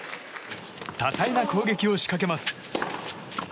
多彩な攻撃を仕掛けます。